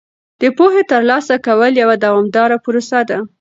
د پوهې ترلاسه کول یوه دوامداره پروسه ده.